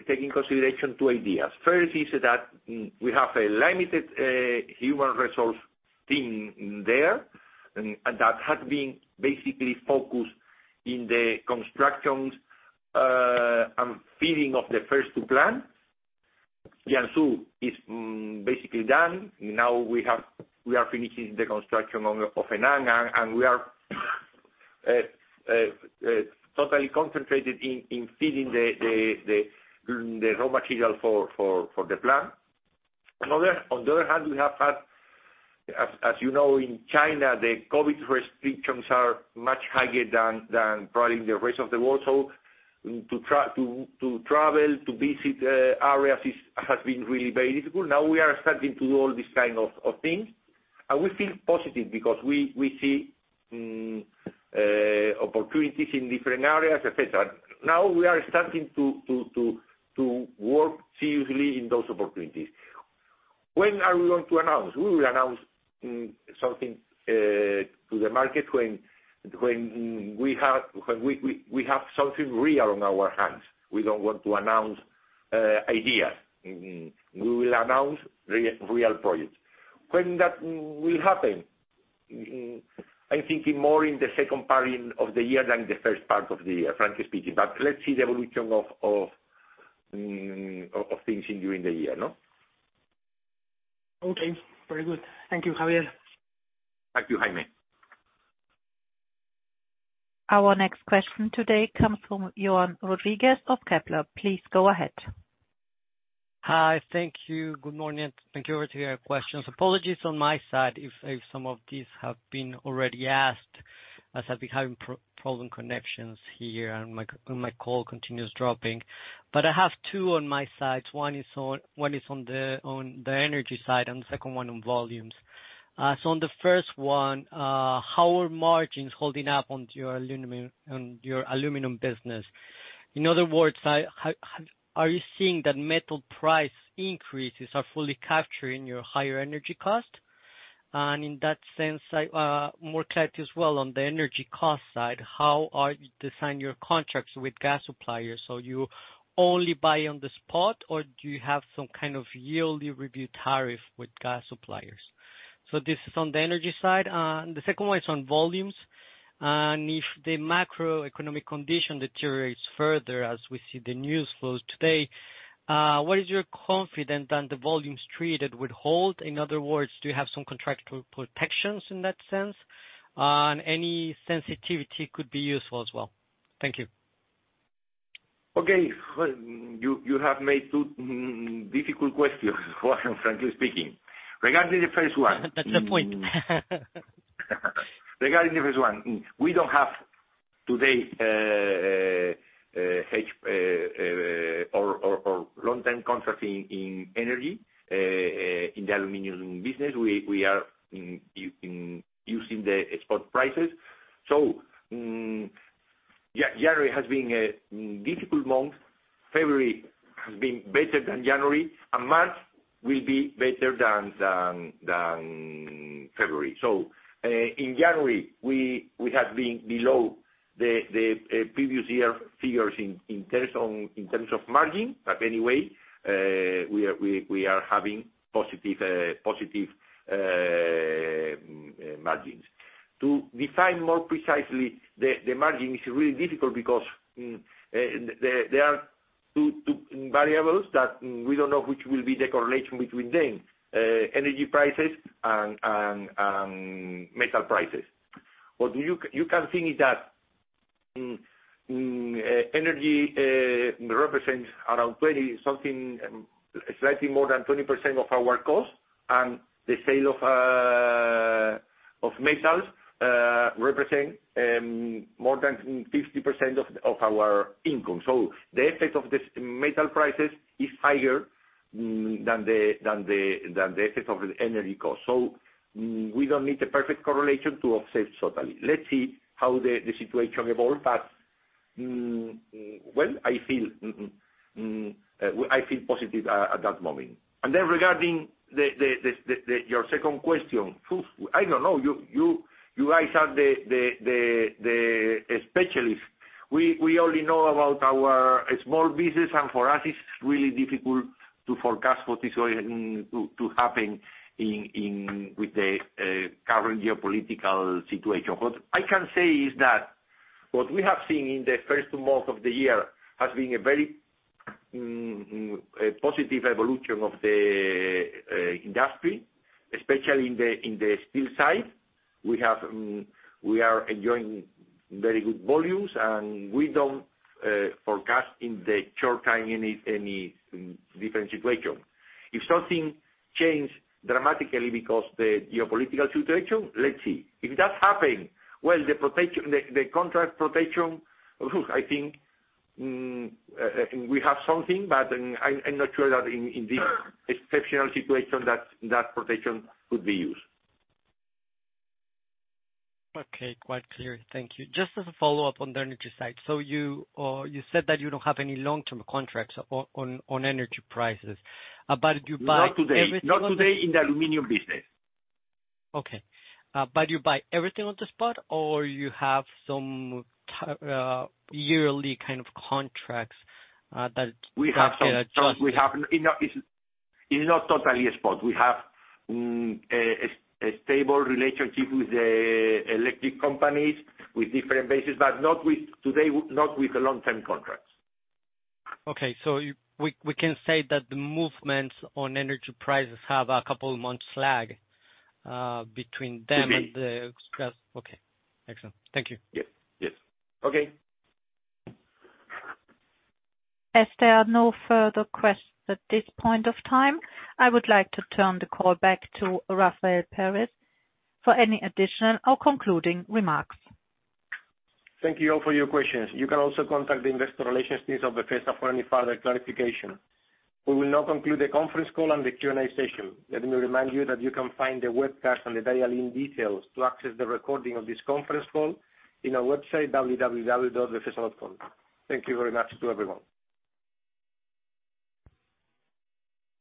taking consideration two ideas. First is that we have a limited human resources team there, and that had been basically focused in the constructions and feeding of the first two plants. Jiangsu is basically done. Now we are finishing the construction of Henan, and we are totally concentrated in feeding the raw material for the plant. On the other hand, we have had, as you know, in China, the COVID restrictions are much higher than probably the rest of the world. To try to travel to visit areas has been really very difficult. Now we are starting to do all these kind of things. We feel positive because we see opportunities in different areas, et cetera. Now we are starting to work seriously in those opportunities. When are we going to announce? We will announce something to the market when we have something real on our hands. We don't want to announce ideas. We will announce real projects. When that will happen? I'm thinking more in the second part of the year than the first part of the year, frankly speaking. Let's see the evolution of things during the year, no? Okay, very good. Thank you, Javier. Thank you, Jaime. Our next question today comes from Juan Rodríguez of Kepler. Please go ahead. Hi. Thank you. Good morning, and thank you for your questions. Apologies on my side if some of these have been already asked, as I've been having problem connections here and my call continues dropping. I have two on my sides. One is on the energy side, and the second one on volumes. On the first one, how are margins holding up on your aluminum business? In other words, are you seeing that metal price increases are fully capturing your higher energy cost? And in that sense, more clarity as well on the energy cost side, how are you design your contracts with gas suppliers? You only buy on the spot, or do you have some kind of yearly review tariff with gas suppliers? This is on the energy side. The second one is on volumes. If the macroeconomic condition deteriorates further, as we see the news flows today, what is your confidence that the volumes treated would hold? In other words, do you have some contractual protections in that sense? Any sensitivity could be useful as well. Thank you. Okay. Well, you have made two difficult questions, frankly speaking. Regarding the first one. That's the point. Regarding the first one, we don't have today hedge or long-term contract in energy in the aluminum business. We are using the spot prices. January has been a difficult month. February has been better than January, and March will be better than February. In January, we have been below the previous year figures in terms of margin. Anyway, we are having positive margins. To define more precisely the margin is really difficult because there are two variables that we don't know which will be the correlation between them, energy prices and metal prices. You can think is that energy represents around 20-something, slightly more than 20% of our cost, and the sale of metals represent more than 50% of our income. The effect of this metal prices is higher than the effect of the energy cost. We don't need the perfect correlation to offset totally. Let's see how the situation evolves. Well, I feel positive at that moment. Then regarding your second question. Phew. I don't know. You guys are the specialist. We only know about our small business, and for us it's really difficult to forecast what is going to happen with the current geopolitical situation. What I can say is that what we have seen in the first month of the year has been a very positive evolution of the industry, especially in the steel side. We are enjoying very good volumes, and we don't forecast in the short term any different situation. If something change dramatically because of the geopolitical situation, let's see. If that's happening, well, the contract protection, I think we have something, but I'm not sure that in this exceptional situation that protection could be used. Okay, quite clear. Thank you. Just as a follow-up on the energy side. You said that you don't have any long-term contracts on energy prices, but you buy. Not today. Not today in the aluminum business. Okay. You buy everything on the spot, or you have some yearly kind of contracts, that- It's not totally a spot. We have a stable relationship with the electric companies with different bases, but not with today, not with the long-term contracts. Okay. We can say that the movements on energy prices have a couple of months lag between them. Could be. The gas. Okay. Excellent. Thank you. Yep. Yes. Okay. As there are no further questions at this point of time, I would like to turn the call back to Rafael Pérez for any additional or concluding remarks. Thank you all for your questions. You can also contact the investor relations teams of Befesa for any further clarification. We will now conclude the conference call and the Q&A session. Let me remind you that you can find the webcast and the dial-in details to access the recording of this conference call in our website, www.befesa.com. Thank you very much to everyone.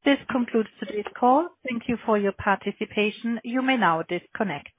This concludes today's call. Thank you for your participation. You may now disconnect.